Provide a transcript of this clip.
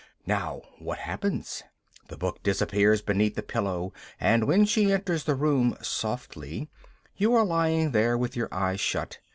Now, what happens? The book disappears beneath the pillow, and when she enters the room softly you are lying there with your eyes shut.